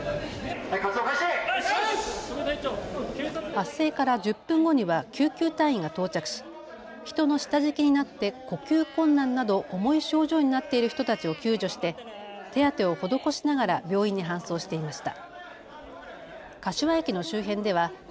発生から１０分後には救急隊員が到着し、人の下敷きになって呼吸困難など重い症状になっている人たちを救助して手当てを施しながら病院に搬送していました。